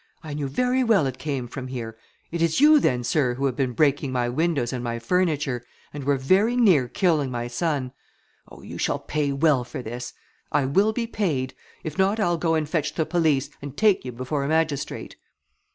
I knew very well it came from here. It is you, then, sir, who have been breaking my windows and my furniture, and were very near killing my son. Oh, you shall pay well for this! I will be paid; if not I'll go and fetch the police, and take you before a magistrate!"